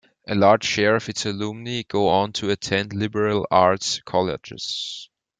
A large share of its alumni go on to attend liberal arts colleges.